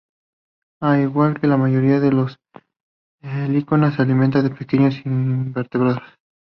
Al igual que la mayoría de los limícolas, se alimenta de pequeños invertebrados.